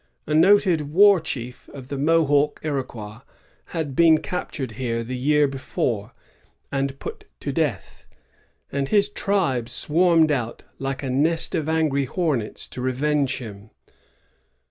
A noted war chief of the Mohawk Iroquois had been captured here the year before, and put to death; and his tribe swarmed out, like a nest of angry hornets, to revenge him.